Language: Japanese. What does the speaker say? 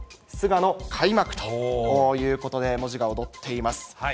菅野開幕ということで、文字が躍っています。